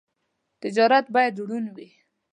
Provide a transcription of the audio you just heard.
تجارت باید روڼ وي.